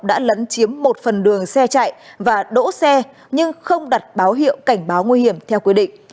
đã lấn chiếm một phần đường xe chạy và đỗ xe nhưng không đặt báo hiệu cảnh báo nguy hiểm theo quy định